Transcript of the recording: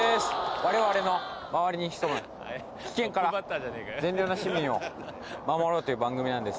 われわれの周りに潜む危険から、善良な市民を守ろうという番組なんです。